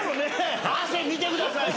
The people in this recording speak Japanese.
汗見てください